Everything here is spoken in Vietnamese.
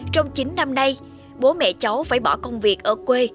trong chín năm nay bố mẹ cháu phải bỏ công việc ở quê